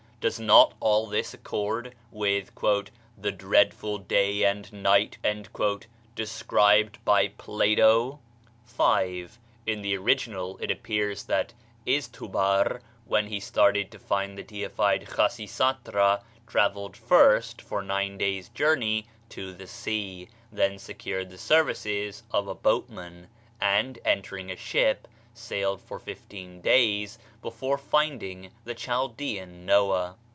Does not all this accord with "that dreadful day and night" described by Plato? 5. In the original it appears that Izdhubar, when he started to find the deified Khasisatra, travelled first, for nine days' journey, to the sea; then secured the services of a boatman, and, entering a ship, sailed for fifteen days before finding the Chaldean Noah.